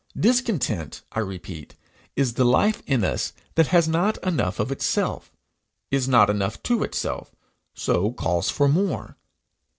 Discontent, I repeat, is the life in us that has not enough of itself, is not enough to itself, so calls for more.